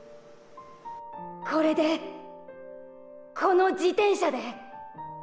これでこの自転車で。